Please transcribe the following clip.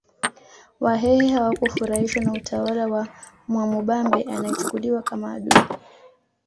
Wahehe hawakufurahishwa na utawala wa Mwamubambe anayechukuliwa kama adui